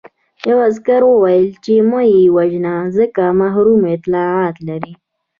یوه عسکر وویل چې مه یې وژنه ځکه محرم اطلاعات لري